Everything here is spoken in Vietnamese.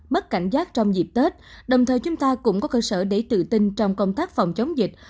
mất cảnh giác trong dịp tết đồng thời chúng ta cũng có cơ sở để tự tin trong công tác phòng chống dịch